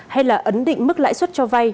hay là ấn định mức lãi suất cho vay